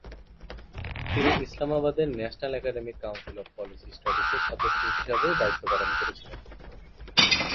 তিনি ইসলামাবাদের national academic council of policy স্টাডিজের সদস্য হিসাবেও দায়িত্ব পালন করেছিলেন।